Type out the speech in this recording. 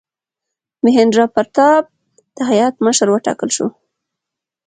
میهندراپراتاپ د هیات مشر وټاکل شو.